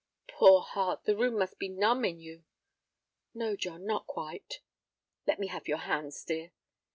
"Poor heart, the blood must be numb in you." "No, John, not quite." "Let me have your hands, dear."